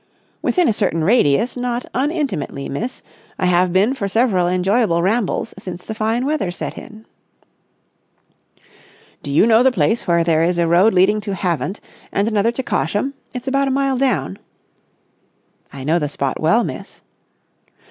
"Within a certain radius, not unintimately, miss. I have been for several enjoyable rambles since the fine weather set in." "Do you know the place where there is a road leading to Havant, and another to Cosham? It's about a mile down...." "I know the spot well, miss."